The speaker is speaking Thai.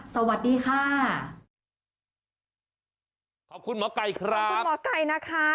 สวัสดีค่ะ